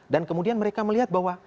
dan kemudian mereka melihat bahwa